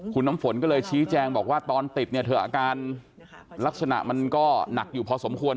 คุณน้ำฝนก็เลยชี้แจงบอกว่าตอนติดเนี่ยเธออาการลักษณะมันก็หนักอยู่พอสมควร